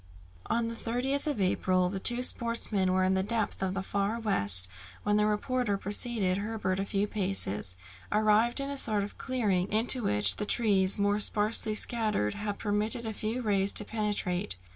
[Illustration: THE DOCKYARD] On the 30th of April, the two sportsmen were in the depth of the Far West, when the reporter, preceding Herbert a few paces, arrived in a sort of clearing, into which the trees more sparsely scattered had permitted a few rays to penetrate.